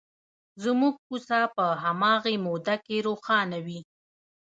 زموږ کوڅه په هماغې موده کې روښانه وي.